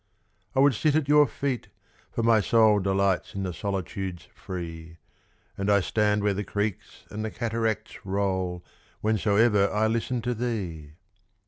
I would sit at your feet, for my soul Delights in the solitudes free; And I stand where the creeks and the cataracts roll Whensoever I listen to thee!